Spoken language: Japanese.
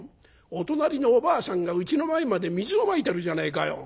お隣のおばあさんがうちの前まで水をまいてるじゃねえかよ。